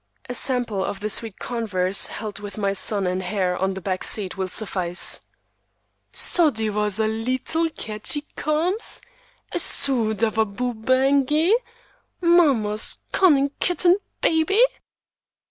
A sample of the sweet converse held with my son and heir on the back seat will suffice:— "Sodywazzaleetlecatchykums! 'Esoodavaboobangy! Mamma's cunnin' kitten baby!"